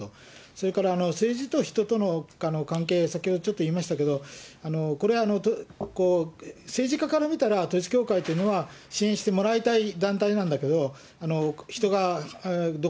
それから政治と人との関係、先ほどちょっと言いましたけど、これ、政治家から見たら、統一教会というのは、支援してもらいたい団体なんだけど、人が。